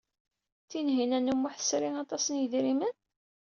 Tinhinan u Muḥ tesri aṭas n yidrimen?